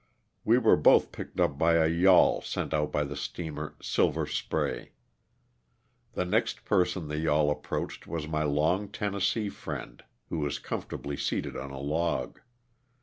We were both picked up by a yawl sent out by the steamer *' Silver Spray.'' The next person the yawl approached was my long Tennessee friend, who was comfortably seated on a log.